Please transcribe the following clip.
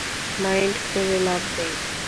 Mind করে লাভ নেই।